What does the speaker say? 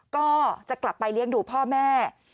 ก็จะกลับไปเลี้ยงดูพ่อแม่